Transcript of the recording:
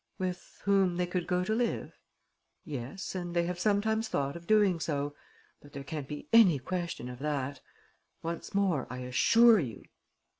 "With whom they could go to live?" "Yes; and they have sometimes thought of doing so. But there can't be any question of that. Once more, I assure you...."